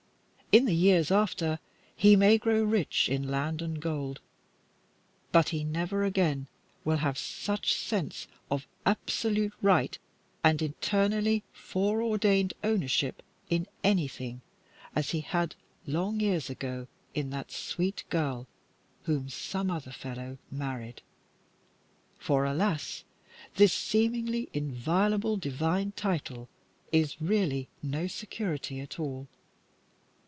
In after years he may grow rich in land and gold, but he never again will have such sense of absolute right and eternally foreordained ownership in any thing as he had long years ago in that sweet girl whom some other fellow married. For, alas! this seemingly inviolable divine title is really no security at all.